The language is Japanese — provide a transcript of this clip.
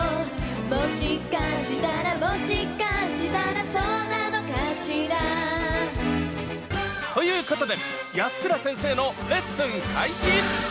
「もしかしたらもしかしたらそうなのかしら」ということで安倉先生のレッスン開始！